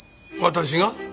私が？